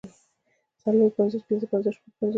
څلور پنځوس پنځۀ پنځوس شپږ پنځوس